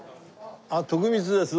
徳光です